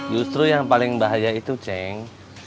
justru yang paling bahaya itu ceng